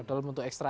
dalam bentuk ekstra